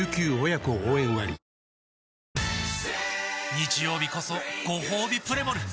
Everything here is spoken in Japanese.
日曜日こそごほうびプレモル！